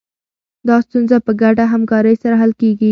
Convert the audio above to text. دا ستونزه په ګډه همکارۍ سره حل کېږي.